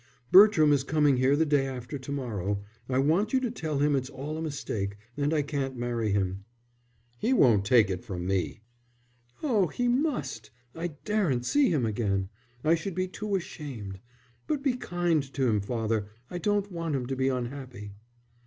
"Bertram is coming here the day after to morrow. I want you to tell him it's all a mistake and I can't marry him." "He won't take it from me." "Oh, he must. I daren't see him again, I should be too ashamed. But be kind to him, father. I don't want him to be unhappy."